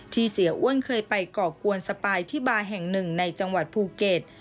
เสียอ้วนเคยไปก่อกวนสปายที่บาร์แห่งหนึ่งในจังหวัดภูเก็ต